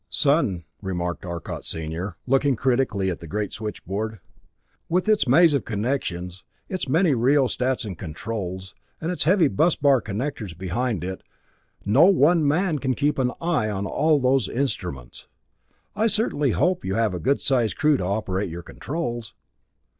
"Son," remarked Arcot senior, looking critically at the great switchboard, with its maze of connections, its many rheostats and controls, and its heavy bus bar connectors behind it, "no one man can keep an eye on all those instruments. I certainly hope you have a good sized crew to operate your controls!